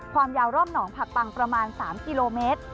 ความยาวรอบหนองผักปังประมาณ๓กิโลเมตร